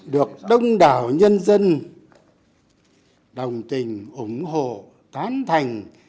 được đông đảo nhân dân đồng tình ủng hộ tán thành